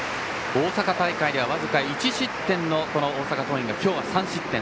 大阪大会で僅か１失点の大阪桐蔭が今日は３失点。